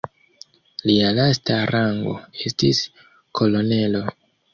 Lia lasta rango estis kolonelo.